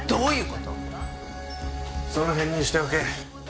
その辺にしておけ。